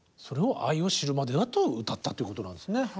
それを「愛を知るまでは」と歌ったということなんですね。